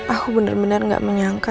aku benar benar gak menyangka